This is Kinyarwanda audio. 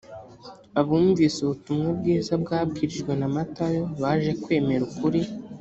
abumvise ubutumwa bwiza babwirijwe namatayo baje kwemera ukuri .